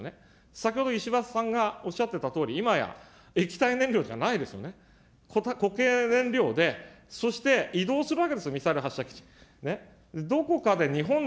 先ほど石破さんがおっしゃっていたとおり、今や液体燃料じゃないですよね、固形燃料で、そして移動するわけですよ、ミサイル発射基地。